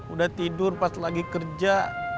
udah tidur pas lagi kerja